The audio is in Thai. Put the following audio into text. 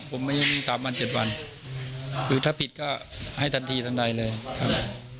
ผมไม่ยังมีสามวันเจ็ดวันหรือถ้าผิดก็ให้ทันทีทันใดเลยครับ